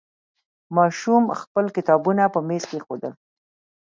ماشوم خپل کتابونه په میز کېښودل.